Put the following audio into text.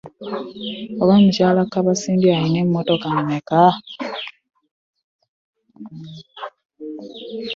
Oba mukyala kabasindi alina emmotoka meka?